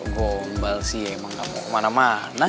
bombal sih emang gak mau kemana mana